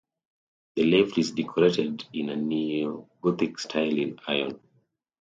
The lift is decorated in a Neo-Gothic style in iron.